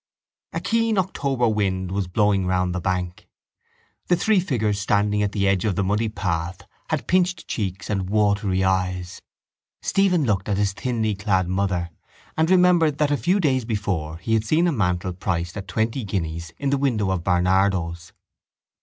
A keen October wind was blowing round the bank. The three figures standing at the edge of the muddy path had pinched cheeks and watery eyes. Stephen looked at his thinly clad mother and remembered that a few days before he had seen a mantle priced at twenty guineas in the windows of Barnardo's.